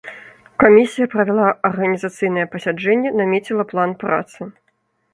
Камісія правяла арганізацыйнае пасяджэнне, намеціла план працы.